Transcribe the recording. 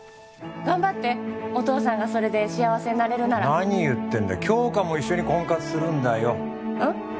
頑張ってお父さんがそれで幸せになれるなら何言ってんだ杏花も一緒に婚活するんだようん？